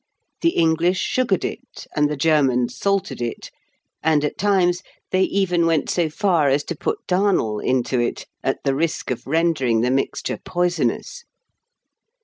The English sugared it, and the Germans salted it, and at times they even went so far as to put darnel into it, at the risk of rendering the mixture poisonous.